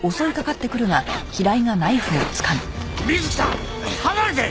美月さん離れて！